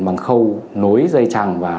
bằng khâu nối dây chẳng và